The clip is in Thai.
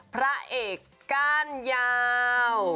พระเอกก้านยาว